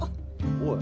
おい。